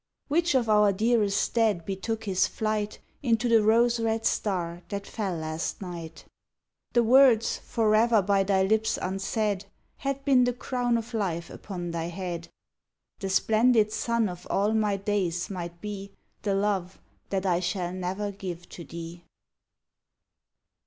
Which of our dearest dead betook his flight Into the rose red star that fell last night? The words forever by thy lips unsaid Had been the crown of life upon thy head. The splendid sun of all my days might be The love that I shall never give to thee.